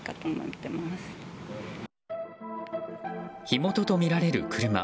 火元とみられる車。